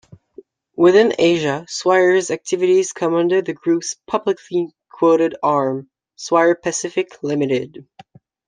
Within Asia, Swire's activities come under the group's publicly quoted arm, Swire Pacific Limited.